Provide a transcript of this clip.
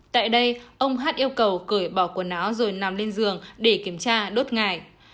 tại đây ông hát yêu cầu cởi bỏ quần áo rồi nằm lên giường để kiểm tra đốt ngài